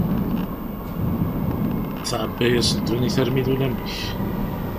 Tεebba-yas ddunit armi d ulamek.